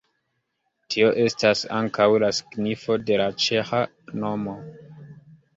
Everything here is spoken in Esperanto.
Tio estas ankaŭ la signifo de la ĉeĥa nomo.